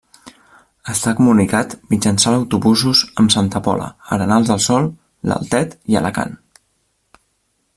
Està comunicat mitjançant autobusos amb Santa Pola, Arenals del Sol, l'Altet i Alacant.